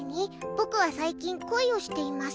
僕は最近、恋をしています。